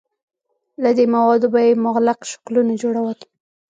له دې موادو به یې مغلق شکلونه جوړول.